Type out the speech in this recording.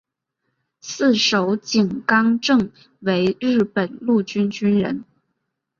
四手井纲正为日本陆军军人。